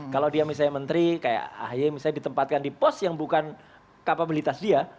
kalau dia misalnya menteri kayak ahy misalnya ditempatkan di pos yang bukan kapabilitas dia